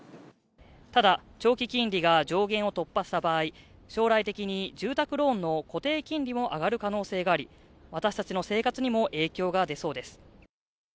ただ、長期金利が上限を突破した場合、将来的に住宅ローンの固定金利も上がる可能性があり私たちの生活にも影響が出そうです。